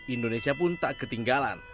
indonesia pun tak ketinggalan